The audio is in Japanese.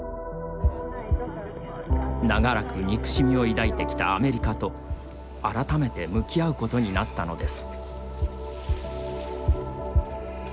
長らく憎しみを抱いてきたアメリカと改めて向き合うことになったのです。